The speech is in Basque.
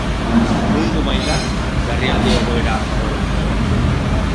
Mundu mailan larrialdi egoera dagoelako?